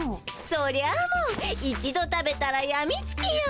そりゃもう一度食べたらやみつきよ。